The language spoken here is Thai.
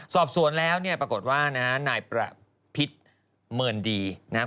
สอบสวนแล้วปรากฏว่านายประพิษเมินดีนะฮะ